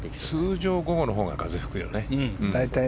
大体午後のほうが風、吹くよね。